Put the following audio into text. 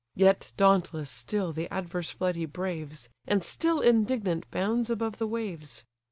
Yet dauntless still the adverse flood he braves, And still indignant bounds above the waves.